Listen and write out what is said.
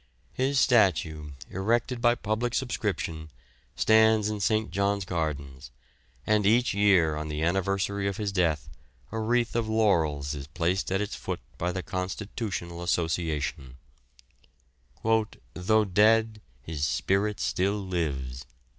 His statue, erected by public subscription, stands in St. John's Gardens, and each year on the anniversary of his death a wreath of laurels is placed at its foot by the Constitutional Association "Though dead, his spirit still lives."